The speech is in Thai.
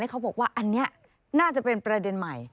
เขาบอกว่าอันนี้น่าจะเป็นประเด็นใหม่